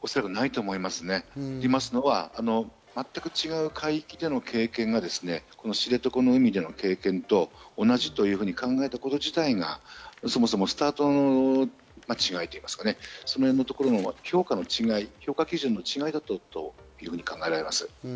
と言いますのは全く違う海域での経験が知床の海での経験と同じというふうに考えること自体がそもそもスタートも間違いと言いますか、そのへんのところの評価基準の違いだと考えられます。